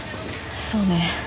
そうね。